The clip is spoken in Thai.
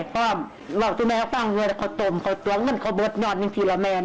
เพราะว่าบอกสุดแม่ฟังเวลาเขาโตมเขาตรงเหมือนเขาบดนอนเป็นทีละแมน